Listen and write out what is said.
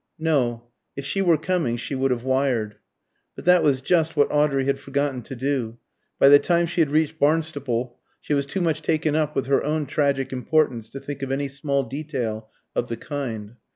"No. If she were coming, she would have wired." But that was just what Audrey had forgotten to do. By the time she had reached Barnstaple, she was too much taken up with her own tragic importance to think of any small detail of the kind.